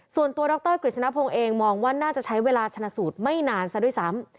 ส่วนตัวดรกฤษณพงศ์เองมองว่าน่าจะใช้เวลาชนะสูตรไม่นานซะด้วยซ้ำ